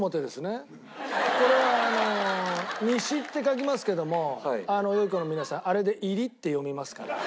これはあの「西」って書きますけども良い子の皆さんあれで「いり」って読みますから。